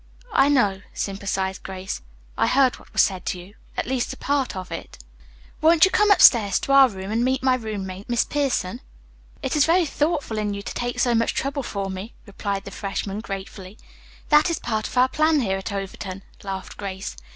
"I know," sympathized Grace. "I heard what was said to you; at least a part of it. Won't you come upstairs to our room and meet my roommate, Miss Pierson?" "It is very thoughtful in you to take so much trouble for me," replied the freshman gratefully. "That is part of our plan here at Overton," laughed Grace.